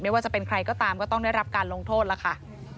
ว่าจะเป็นใครก็ตามก็ต้องได้รับการลงโทษแล้วค่ะ